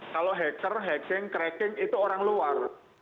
kalau hacker hacking cracking itu orang luar